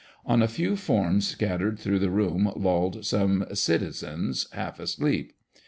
On a few forms scattered through the room, lolled some " citizens" half asleep.